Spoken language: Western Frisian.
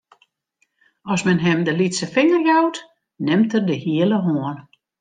As men him de lytse finger jout, nimt er de hiele hân.